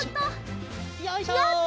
やった！